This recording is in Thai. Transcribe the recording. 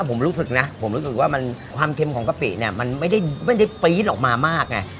ผมรู้สึกนะผมรู้สึกว่าความเค็มของกะปิเนี่ยมันไม่ได้ปี๊ดออกมามากไง